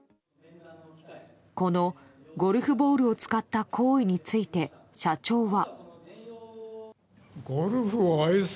このゴルフボールを使った行為について、社長は。